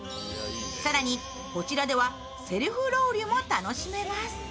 更にこちらではセルフロウリュも楽しめます。